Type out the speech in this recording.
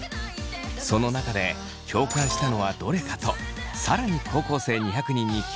その中で共感したのはどれか？と更に高校生２００人に聞いてみました。